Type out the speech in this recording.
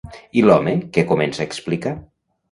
I l'home, què comença a explicar?